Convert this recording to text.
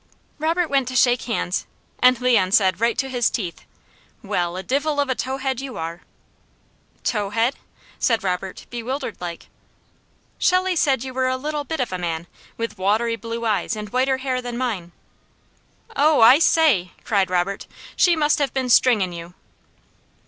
Robert went to shake hands, and Leon said right to his teeth: "Well a divil of a towhead you are!" "Towhead?" said Robert, bewildered like. "Shelley said you were a little bit of a man, with watery blue eyes, and whiter hair than mine." "Oh I say!" cried Robert. "She must have been stringin' you!"